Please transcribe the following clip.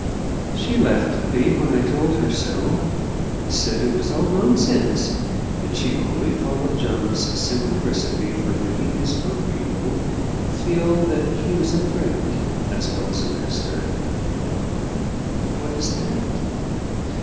She laughed at me when I told her so said it was all nonsense that she only followed John's simple recipe for making his work people feel that he was a friend as well as a master. "What is that?"